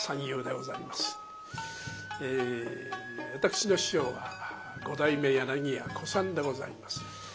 え私の師匠は五代目柳家小さんでございます。